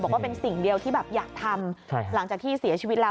บอกว่าเป็นสิ่งเดียวที่แบบอยากทำหลังจากที่เสียชีวิตแล้ว